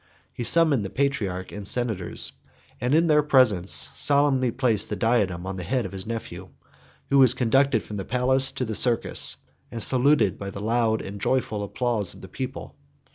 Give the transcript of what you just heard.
He summoned the patriarch and senators; and in their presence solemnly placed the diadem on the head of his nephew, who was conducted from the palace to the circus, and saluted by the loud and joyful applause of the people.